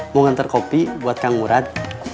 mau nginter kopi buat kang murad